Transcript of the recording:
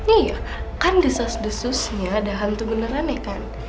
iya kan desas desusnya ada hantu beneran ya kan